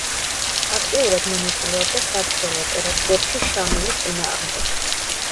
აქტიურად მონაწილეობდა საბრძოლო ოპერაციებში შამილის წინააღმდეგ.